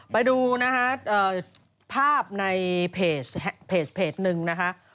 ไปดูนะคะภาพในเพจหนึ่งนะคะ